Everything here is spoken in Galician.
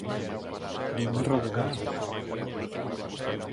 Vinme rodeado.